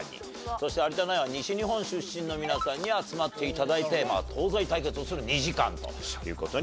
そして有田ナインは西日本出身の皆さんに集まって頂いて東西対決をする２時間という事になっております。